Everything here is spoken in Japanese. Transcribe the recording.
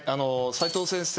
斉藤先生